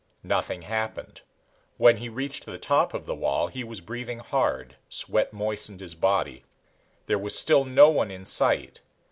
Nothing happened. When he reached the top of the wall he was breathing hard; sweat moistened his body. There was still no one in sight.